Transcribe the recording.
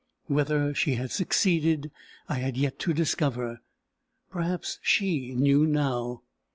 Whether she had succeeded I had yet to discover. Perhaps she knew now.